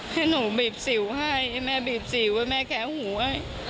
ให้หนูบีบสิวให้ให้แม่บีบสิวว่าแม่แค้วหูให้